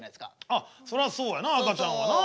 ああそらそうやな赤ちゃんはな。